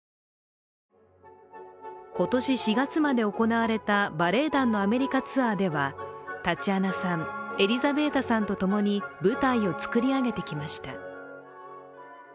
今年４月まで行われたバレエ団のアメリカツアーでは、タチアナさん、エリザベータさんとともに舞台を作り上げてきました。